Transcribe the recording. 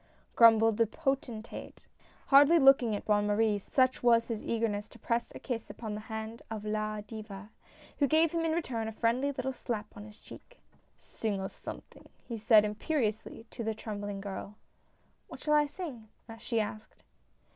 " grum bled the potentate, hardly looking at Bonne Marie, such was his eagerness to press a kiss upon the hand of La Diva, who gave him in return a friendly little slap on his cheek. "Sing us something!" he said imperiously, to the trembling girl. " What shall I sing ?" she asked.